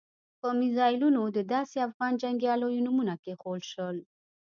په میزایلونو د داسې افغان جنګیالیو نومونه کېښودل شول.